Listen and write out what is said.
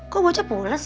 kok bocah pula sih